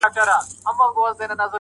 په شپږمه ورځ نجلۍ نه مري نه هم ښه کيږي-